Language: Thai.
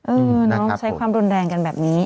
เออน้องใช้ความรุนแรงกันแบบนี้